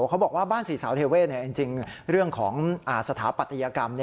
เขาบอกว่าบ้านสี่สาวเทเวศจริงเรื่องของสถาปัตยกรรม